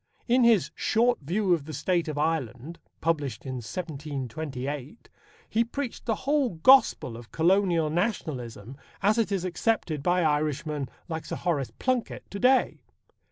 In his Short View of the State of Ireland, published in 1728, he preached the whole gospel of Colonial Nationalism as it is accepted by Irishmen like Sir Horace Plunkett to day.